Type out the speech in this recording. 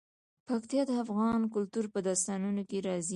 پکتیا د افغان کلتور په داستانونو کې راځي.